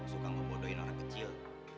suka ngebodohin orang kecil